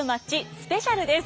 スペシャルです。